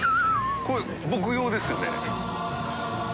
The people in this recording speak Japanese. これ僕用ですよね？